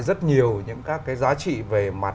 rất nhiều những các cái giá trị về